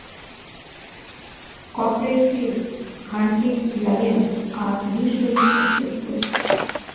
Cooperative-hunting lions are usually successful.